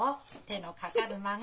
手のかかる孫。